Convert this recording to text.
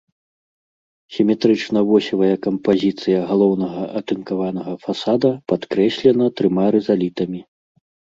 Сіметрычна-восевая кампазіцыя галоўнага атынкаванага фасада падкрэслена трыма рызалітамі.